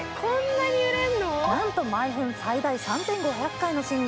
なんと毎分最大３５００回の振動。